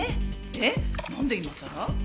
でなんで今さら？